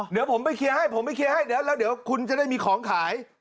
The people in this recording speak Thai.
เดี๋ยวผมไปเคลียร์ให้ผมไปเคลียร์ให้เดี๋ยวแล้วเดี๋ยวคุณจะได้มีของขาย